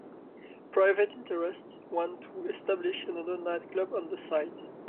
Private interests want to establish another night club on the site.